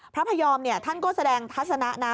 พระพยอมท่านก็แสดงทัศนะนะ